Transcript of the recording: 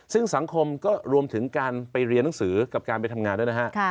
ซึ่งสังคมก็รวมถึงการไปเรียนหนังสือกับการไปทำงานด้วยนะฮะ